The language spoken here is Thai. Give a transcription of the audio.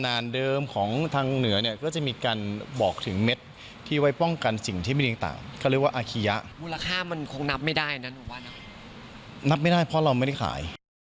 นับไม่ได้เพราะเราไม่ได้ขาย